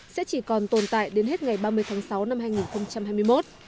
sẽ chỉ còn tồn tại đến hết ngày ba mươi tháng sáu năm hai nghìn hai mươi một